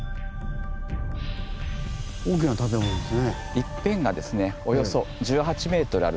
大きな建物ですね。